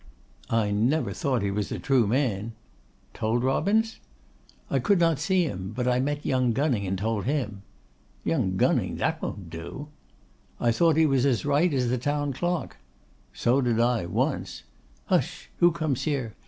'I never thought he was a true man.' 'Told Robins?' 'I could not see him; but I met young Gunning and told him.' 'Young Gunning! That won't do.' 'I thought he was as right as the town clock.' 'So did I, once. Hush! who comes here?